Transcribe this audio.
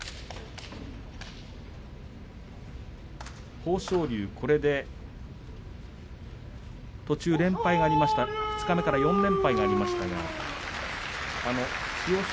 豊昇龍はこれで途中、連敗がありましたが二日目から４連敗がありましたが千代翔